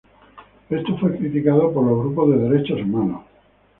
Esto fue criticado por los grupos de derechos humanos.